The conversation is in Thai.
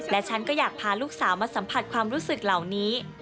และฉันก็อยากพาลูกสาวมาสัมผัสความรู้สึกเหล่านี้